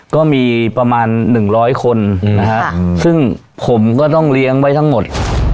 ก็มีประมาณ๑๐๐คนนะฮะซึ่งผมก็ต้องเลี้ยงไว้ทั้งหมด